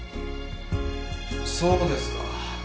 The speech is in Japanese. そうですか。